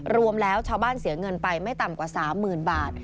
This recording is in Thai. รวมแล้วชาวบ้านเสียเงินไปไม่ต่ำกว่า๓๐๐๐บาท